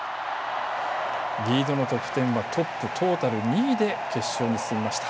リードの得点はトップトータル２位で決勝に進みました。